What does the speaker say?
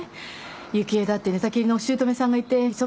雪枝だって寝たきりのお姑さんがいて忙しいのに。